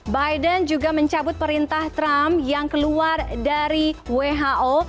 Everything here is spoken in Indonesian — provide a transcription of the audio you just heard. biden juga mencabut perintah trump yang keluar dari who